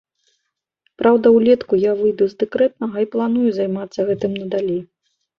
Праўда, улетку я выйду з дэкрэтнага і планую займацца гэтым надалей.